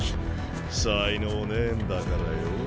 才能ねえんだからよぉ。